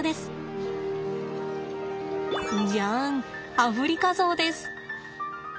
アフリカゾウです！